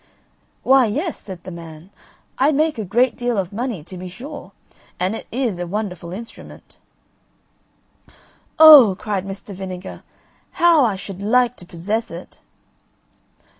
"Why, yes," said the man, "I make a great deal of money, to be sure, and it is a wonderful instrument." "Oh!" cried Mr. Vinegar, "how I should like to possess it!"